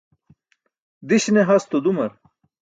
Diś ne hasto dumar.